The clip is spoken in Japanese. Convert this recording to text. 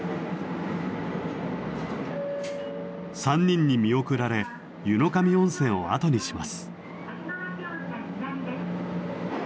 ３人に見送られ湯野上温泉を後にします。